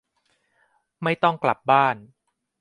ไม่ต้องกลับบ้าน